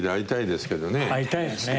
会いたいですね。